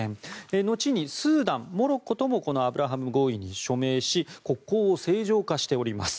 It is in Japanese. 後にスーダンモロッコともこのアブラハム合意に署名し国交を正常化しております。